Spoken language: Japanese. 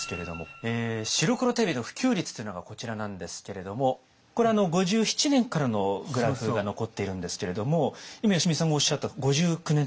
白黒テレビの普及率というのがこちらなんですけれどもこれ５７年からのグラフが残っているんですけれども今吉見さんがおっしゃった５９年というのはこの辺りですよね。